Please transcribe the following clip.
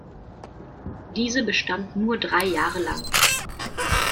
Diese bestand nur drei Jahre lang.